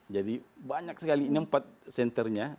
jadi banyak sekali ini empat senternya